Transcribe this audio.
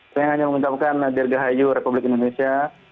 saya hanya mengucapkan adil gahayu republik indonesia